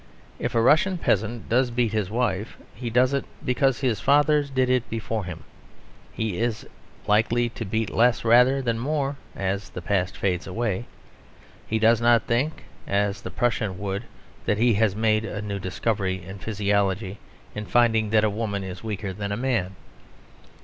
If a Russian peasant does beat his wife, he does it because his fathers did it before him: he is likely to beat less rather than more as the past fades away. He does not think, as the Prussian would, that he has made a new discovery in physiology in finding that a woman is weaker than a man.